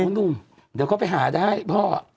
หนุ่มเดี๋ยวก็ไปหาได้พ่อ